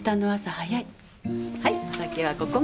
はいお酒はここまで。